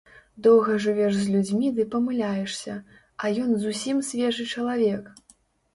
Доўга жывеш з людзьмі ды памыляешся, а ён зусім свежы чалавек.